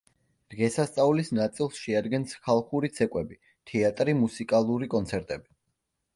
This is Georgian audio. დღესასწაულის ნაწილს შეადგენს ხალხური ცეკვები, თეატრი, მუსიკალური კონცერტები.